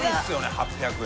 ８００円。